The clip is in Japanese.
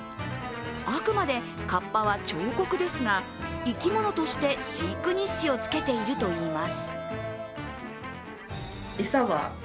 あくまでカッパは彫刻ですが、生き物として飼育日誌をつけているといいます。